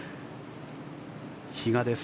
比嘉です。